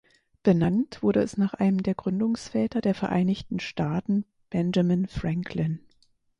Benannt wurde es nach einem der Gründungsväter der Vereinigten Staaten Benjamin Franklin.